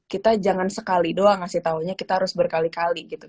kita jangan sekali doang ngasih taunya kita harus berkali kali gitu